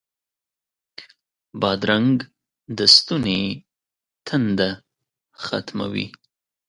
بادرنګ د ستوني تنده ختموي.